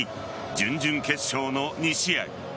準々決勝の２試合目。